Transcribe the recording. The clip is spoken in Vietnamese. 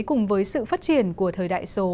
cùng với sự phát triển của thời đại số